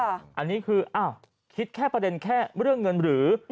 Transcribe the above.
อันนี้คืออ้าวคิดแค่ประเด็นแค่เรื่องเงินหรือ